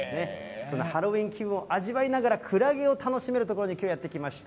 そんなハロウィン気分を味わいながらクラゲを楽しめる所にきょう、やって来ました。